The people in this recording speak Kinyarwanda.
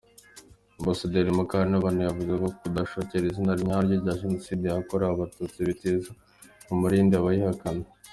Ambasaderi Mukantabana yavuze ko kudakoresha izina nyaryo rya Jenoside yakorewe Abatutsi bitiza umurindi abayihakana.